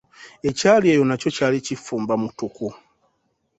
Ekyali eyo nakyo kyali kifumba mukutu..